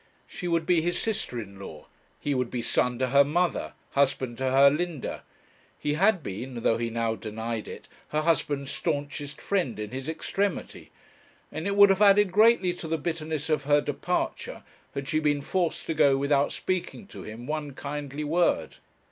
She would be his sister in law, he would be son to her mother, husband to her Linda; he had been, though he now denied it, her husband's staunchest friend in his extremity; and it would have added greatly to the bitterness of her departure had she been forced to go without speaking to him one kindly word.